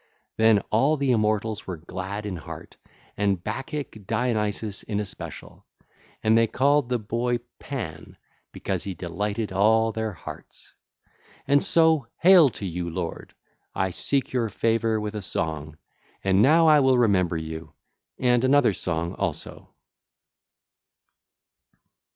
Then all the immortals were glad in heart and Bacchie Dionysus in especial; and they called the boy Pan 2532 because he delighted all their hearts. (ll. 48 49) And so hail to you, lord! I seek your favour with a song. And now I will remember you and another song also.